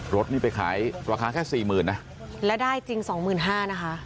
รถนี่ไปขายราคาแค่สี่หมื่นนะแล้วได้จริงสองหมื่นห้านะคะ